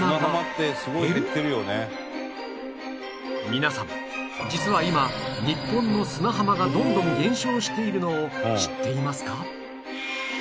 皆さん実は今日本の砂浜がどんどん減少しているのを知っていますか？